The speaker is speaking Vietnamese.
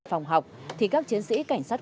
phòng học thì các chiến sĩ cảnh sát